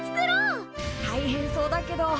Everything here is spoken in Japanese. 大変そうだけど。